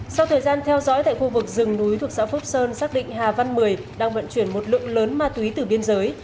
sau thời gian theo dõi tại khu vực rừng núi thuộc xã phúc sơn xác định hà văn mười đang vận chuyển một lượng lớn ma túy từ biên giới